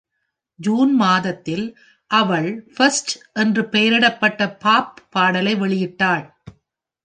June மாதத்தில் அவள் "First" என்று பெயரிடப்பட்ட பாப் பாடலை வெளியிட்டாள்.